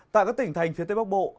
tại các tỉnh thành phía tây bắc bộ